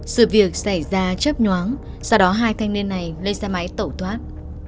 sự việc xảy ra chấp nhoáng sau đó hai thanh niên này lên xe máy tẩu thoát